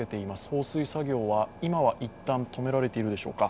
放水作業は今は一旦止められているでしょうか。